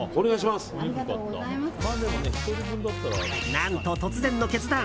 何と、突然の決断。